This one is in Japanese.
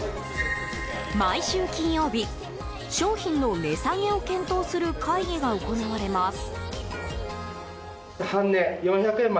毎週金曜日、商品の値下げを検討する会議が行われます。